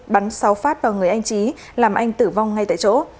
bắn sáu phát vào người anh trí làm anh tử vong ngay tại chỗ